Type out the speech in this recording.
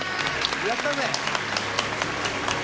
やったぜ！